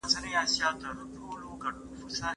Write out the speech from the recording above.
څنګه ناکامي د پرمختګ د یوه پړاو په توګه وبولو؟